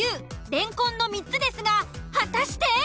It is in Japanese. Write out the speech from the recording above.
レンコンの３つですが果たして。